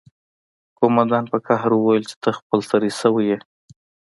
قومندان په قهر وویل چې ته خپل سری شوی یې